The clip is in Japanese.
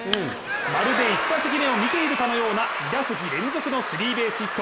まるで１打席目を見ているかのような２打席連続のスリーベースヒット。